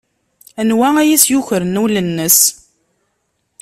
Anwa ay as-yukren ul-nnes?